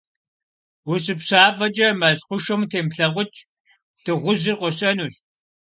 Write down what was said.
УщыпщафӀэкӀэ мэл хъушэм утемыплъэкъукӀ: Дыгъужьыр къощэнущ.